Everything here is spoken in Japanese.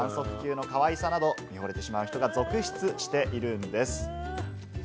これは反則級のかわいさなど見惚れてしまう人が続出しているんです。